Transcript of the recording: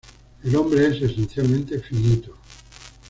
El hombre es esencialmente finito.